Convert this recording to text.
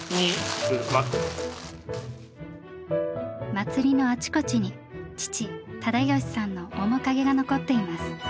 祭りのあちこちに父忠喜さんの面影が残っています。